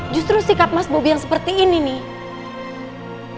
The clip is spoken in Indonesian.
justru sikap mas bobi yang seperti ini nih